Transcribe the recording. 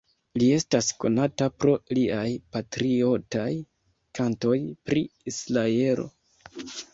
Li estas konata pro liaj patriotaj kantoj pri Israelo.